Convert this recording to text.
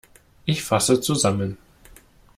Ich fasse zusammen.